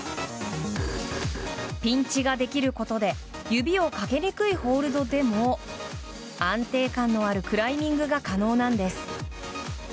ピンチができることで指がかけにくいホールドでも安定感のあるクライミングが可能なんです。